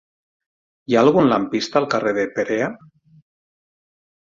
Hi ha algun lampista al carrer de Perea?